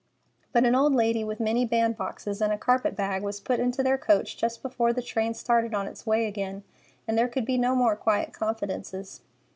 But an old lady with many bandboxes and a carpet bag was put into their coach just before the train started on its way again, and there could be no more quiet confidences.